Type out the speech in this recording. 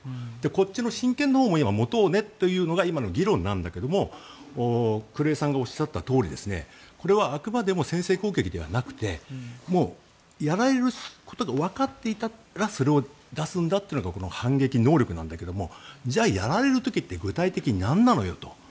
こっちの真剣のほうを持とうねというのが今の議論なんだけど黒江さんがおっしゃったとおりこれはあくまでも先制攻撃じゃなくてもうやられることがわかっていたらそれを出すんだというのが反撃能力なんだけどじゃあ、やられる時って具体的になんなのよと。